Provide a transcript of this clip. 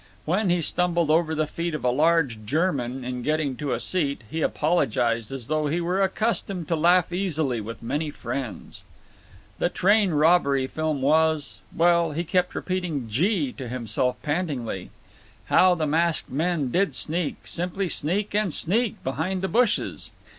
When he stumbled over the feet of a large German in getting to a seat, he apologized as though he were accustomed to laugh easily with many friends. The train robbery film was—well, he kept repeating "Gee!" to himself pantingly. How the masked men did sneak, simply sneak and sneak, behind the bushes!